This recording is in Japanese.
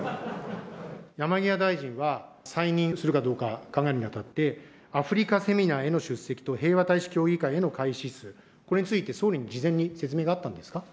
山際大臣は再任するかどうか、考えるにあたって、アフリカセミナーへの出席と平和大使協議会への会費支出、これについて総理に事前に説明があったんですか。